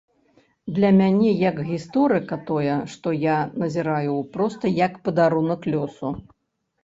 Для мяне як гісторыка тое, што я назіраю, проста як падарунак лёсу.